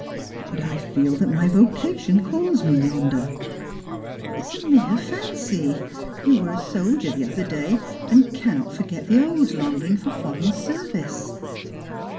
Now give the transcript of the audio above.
" But I feel that my vocation calls me yonder." " It is a mere fancy. You were a soldier the other day, and cannot forget the old longing for foreign service."